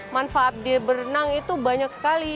manfaat dia berenang itu banyak sekali